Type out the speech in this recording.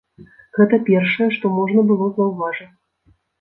Гэта першае, што можна было заўважыць.